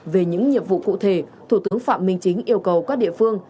về những nhiệm vụ cụ thể thủ tướng phạm minh chính yêu cầu các địa phương